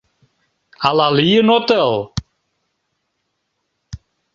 Ала лийын отыл?